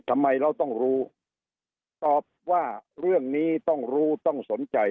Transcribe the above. ทำไมเราต้องรู้ตอบว่าเรื่องนี้ต้องรู้ต้องสนใจ